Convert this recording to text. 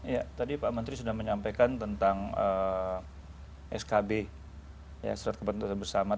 iya tadi pak menteri sudah menyampaikan tentang skb ya serat kebentusan bersama